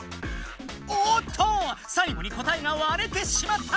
おっとさいごに答えがわれてしまった！